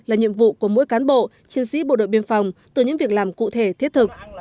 là nhiệm vụ của mỗi cán bộ chiến sĩ bộ đội biên phòng từ những việc làm cụ thể thiết thực